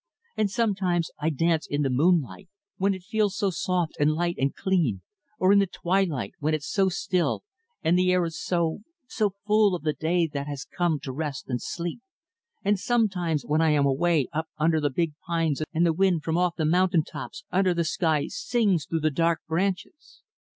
And sometimes I dance in the moonlight when it feels so soft and light and clean; or in the twilight when it's so still, and the air is so so full of the day that has come home to rest and sleep; and sometimes when I am away up under the big pines and the wind, from off the mountain tops, under the sky, sings through the dark branches."